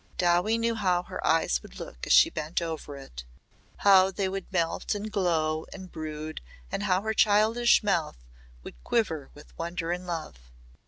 Dowie knew how her eyes would look as she bent over it how they would melt and glow and brood and how her childish mouth would quiver with wonder and love.